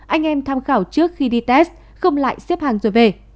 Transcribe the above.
anh em tham khảo trước khi đi test không lại xếp hàng rồi về